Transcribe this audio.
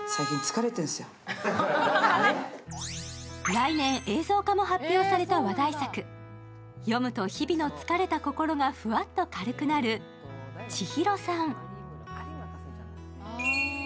来年、映像化も発表された話題作読むと日々の疲れた心がふわっと軽くなる「ちひろさん」。